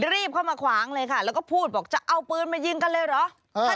รีบเข้ามาขวางเลยค่ะแล้วก็พูดบอกจะเอาปืนมายิงกันเลยเหรอ